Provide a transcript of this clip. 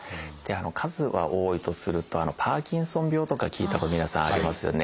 数は多いとすると「パーキンソン病」とか聞いたこと皆さんありますよね。